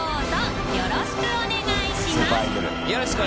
Δよろしくお願いします